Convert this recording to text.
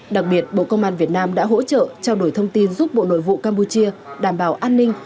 đặc biệt bộ công an việt nam đã hỗ trợ trao đổi thông tin giúp bộ nội vụ campuchia đảm bảo an ninh